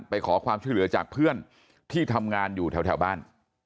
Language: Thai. ไปขอความช่วยเหลือจากเพื่อนที่ทำงานอยู่แถวบ้าน